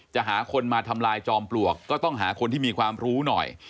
หาคนมาทำลายจอมปลวกก็ต้องหาคนที่มีความรู้หน่อย